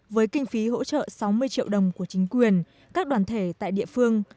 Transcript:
với kinh phí hỗ trợ sáu mươi triệu đồng của chính quyền các đoàn thể tại địa phương